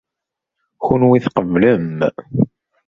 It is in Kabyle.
Kunwi tqeblem.